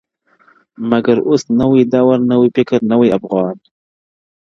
مګر اوس نوی دور نوی فکر نوی افغان.